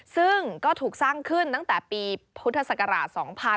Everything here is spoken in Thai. ซึ่งก็ถูกสร้างขึ้นตั้งแต่ปีพุทธศักราช๒๕๕๙